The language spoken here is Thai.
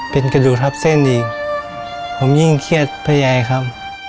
เป็นกระดูกทับเส้นอีกผมยิ่งเครียดพระยายครับ